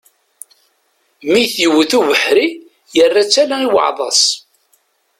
Mi t-yewwet ubeḥri, yerra-tt ala i uɛḍas.